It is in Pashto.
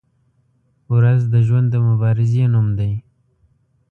• ورځ د ژوند د مبارزې نوم دی.